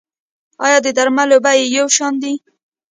آیا د درملو بیې یو شان دي؟